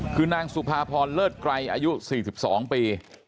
คือนางสุภาพรเลิศไกรอายุ๔๒ปี